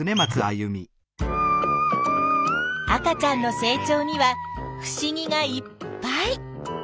赤ちゃんの成長にはふしぎがいっぱい。